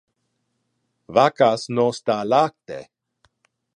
Vaccas nos da lacte.